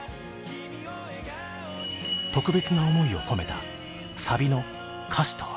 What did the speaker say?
特別な思いを込めたサビの歌詞とは。